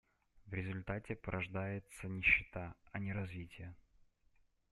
В результате порождается нищета, а не развитие.